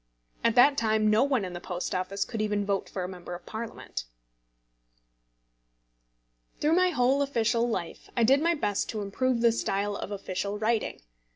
At that time no one in the Post Office could even vote for a Member of Parliament. Through my whole official life I did my best to improve the style of official writing.